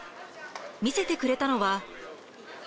見せてくれたのは。